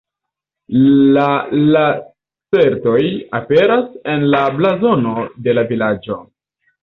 La lacertoj aperas en la blazono de la vilaĝo.